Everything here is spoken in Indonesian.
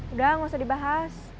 udah gak usah dibahas